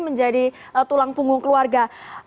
menjadi tulang punggung keluarga